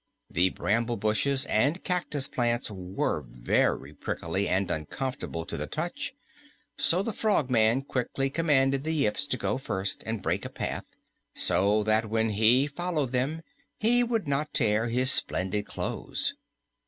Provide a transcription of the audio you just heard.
The bramble bushes and cactus plants were very prickly and uncomfortable to the touch, so the Frogman quickly commanded the Yips to go first and break a path, so that when he followed them he would not tear his splendid clothes.